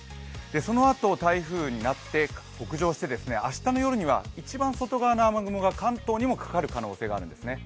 そのあと、台風になって北上して明日の夜には一番外側の雨雲が関東にもかかる可能性があるんですね。